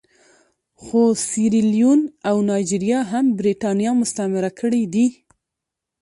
خو سیریلیون او نایجیریا هم برېټانیا مستعمره کړي دي.